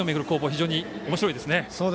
非常におもしろいですね。